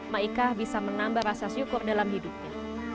maika bisa menambah rasa syukur dalam hidupnya